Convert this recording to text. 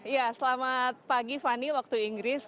ya selamat pagi fani waktu inggris